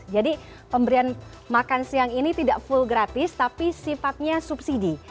jadi pemberian makan siang ini tidak full gratis tapi sifatnya subsidi